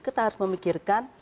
kita harus memikirkan